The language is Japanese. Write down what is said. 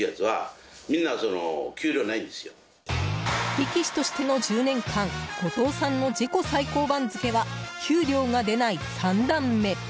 力士としての１０年間後藤さんの自己最高番付は給料が出ない三段目。